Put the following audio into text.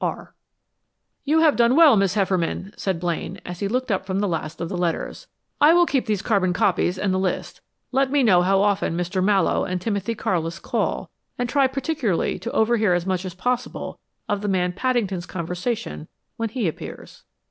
R. "You have done well, Miss Hefferman," said Blaine as he looked up from the last of the letters. "I will keep these carbon copies and the list. Let me know how often Mr. Mallowe and Timothy Carlis call, and try particularly to overhear as much as possible of the man Paddington's conversation when he appears."